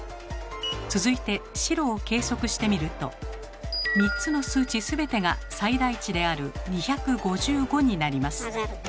続いて白を計測してみると３つの数値全てが最大値である「２５５」になります。